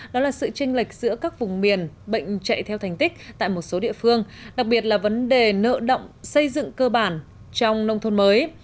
đó là sự tranh lệch giữa các vùng miền bệnh chạy theo thành tích tại một số địa phương đặc biệt là vấn đề nợ động xây dựng cơ bản trong nông thôn mới